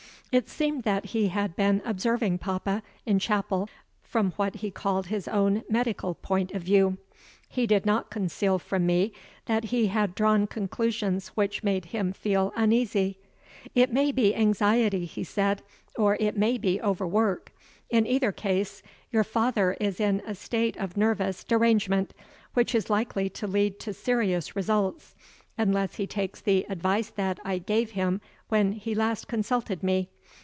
It seemed that he had been observing papa, in chapel, from what he called his own medical point of view. He did not conceal from me that he had drawn conclusions which made him feel uneasy. "It may be anxiety," he said, "or it may be overwork. In either case, your father is in a state of nervous derangement, which is likely to lead to serious results unless he takes the advice that I gave him when he last consulted me.